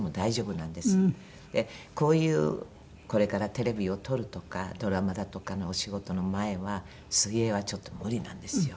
こういうこれからテレビを撮るとかドラマだとかのお仕事の前は水泳はちょっと無理なんですよ。